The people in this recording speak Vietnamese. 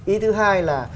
ý thứ hai là